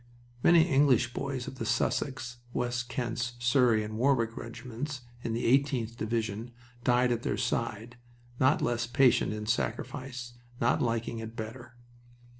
Many English boys of the Sussex, West Kents, Surrey, and Warwick regiments, in the 18th Division, died at their side, not less patient in sacrifice, not liking it better.